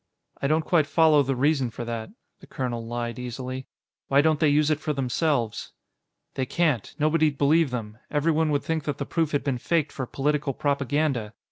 "I don't quite follow the reason for that," the colonel lied easily. "Why don't they use it themselves?" "They can't. Nobody'd believe them. Everyone would think that the proof had been faked for political propaganda.